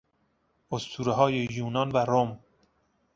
اسطورههای یونان و روم